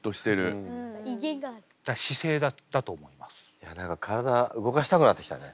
いや何か体動かしたくなってきたね。